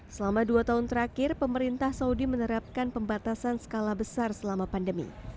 selama dua tahun terakhir pemerintah saudi menerapkan pembatasan skala besar selama pandemi